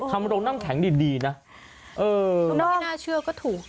ทำรองนั่งแข็งดีดีนะน้องเมน่าไม่น่าเชื่อก็ถูก